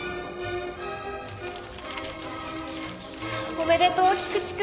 おめでとう菊池君！